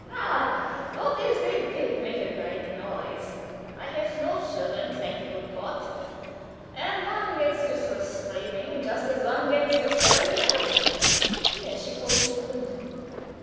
Na! what if they did make a great noise? I have no children thank the good God! and one gets used to the screaming just as one gets used to everything else." Here she called me to the window.